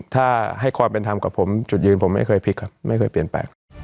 ถ้าให้ความเป็นธรรมกับผมจุดยืนผมไม่เคยพลิกครับไม่เคยเปลี่ยนแปลง